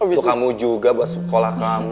untuk kamu juga buat sekolah kamu